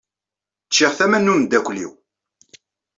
Ččiɣ tama n umeddakel-iw.